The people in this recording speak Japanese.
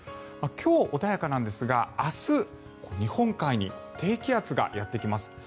今日、穏やかなんですが明日、日本海に低気圧がやってきます。